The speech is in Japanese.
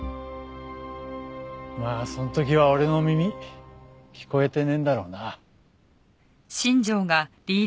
まあその時は俺の耳聞こえてねえんだろうな。